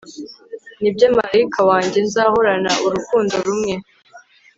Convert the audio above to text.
nibyo, malayika wanjye, nzahorana urukundo rumwe